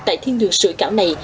tại thiên đường sủi cảo này